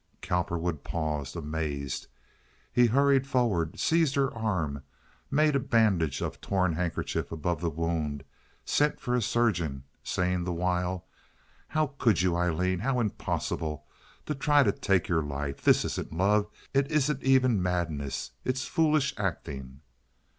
Cowperwood paused—amazed. He hurried forward, seized her arm, made a bandage of a torn handkerchief above the wound, sent for a surgeon, saying the while: "How could you, Aileen? How impossible! To try to take your life! This isn't love. It isn't even madness. It's foolish acting."